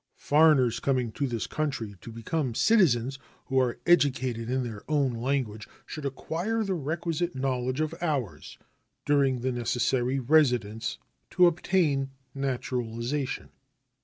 Foreigners coming to this country to become citizens, who are educated in their own language, should acquire the requisite knowledge of ours during the necessary residence to obtain naturalization.